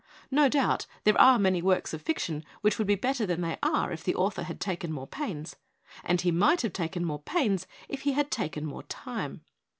No doubt, there are many works of fiction which would be better than they are if the author had taken more pains and he might have taken more pains if he had taken more time.